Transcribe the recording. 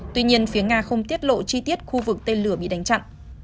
tuy nhiên phía nga không tiết lộ chi tiết khu vực tên lửa bị đánh chặn